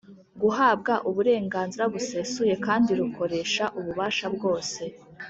guhabwa uburenganzira busesuye kandi rukoresha ububasha bwose